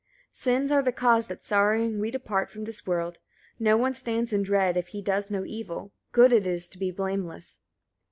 30. Sins are the cause that sorrowing we depart from this world: no one stands in dread, if he does no evil: good it is to be blameless.